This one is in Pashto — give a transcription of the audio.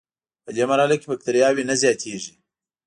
پدې مرحله کې بکټریاوې نه زیاتیږي.